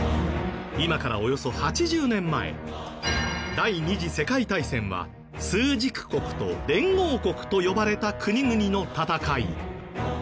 今からおよそ８０年前第２次世界大戦は枢軸国と連合国と呼ばれた国々の戦い。